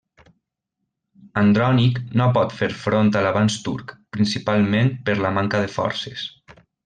Andrònic no pot fer front a l'avanç turc, principalment per la manca de forces.